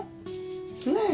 ねえ？